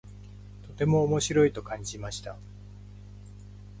とても面白いと感じました。